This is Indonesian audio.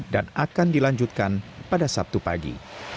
dan akan dilanjutkan pada sabtu pagi